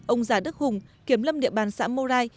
ông giả đức hùng kiểm lâm địa bàn xã morai